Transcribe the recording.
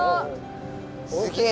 すげえ！